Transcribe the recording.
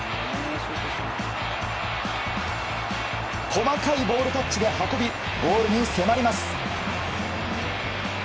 細かいボールタッチで運びゴールに迫ります。